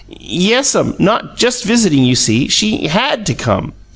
"Yes'm not just visiting you see, she HAD to come.